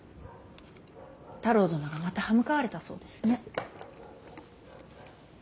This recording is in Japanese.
太郎殿がまた刃向かわれたそうですね。